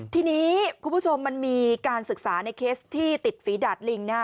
ทีนี้คุณผู้ชมมันมีการศึกษาในเคสที่ติดฝีดาดลิงนะฮะ